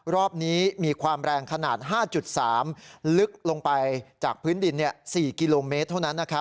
รอบนี้มีความแรงขนาด๕๓ลึกลงไปจากพื้นดิน๔กิโลเมตรเท่านั้น